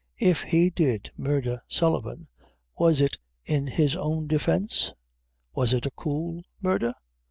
If he did murdher Sullivan, was it in his own defence? was it a cool murdher?